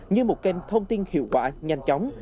như một kênh thông tin hiệu quả nhanh chóng